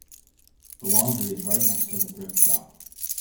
The laundry is right next to the thrift shop.